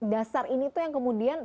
dasar ini tuh yang kemudian